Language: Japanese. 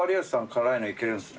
辛いのいけるんすね。